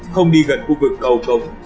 không đi gần khu vực cầu cộng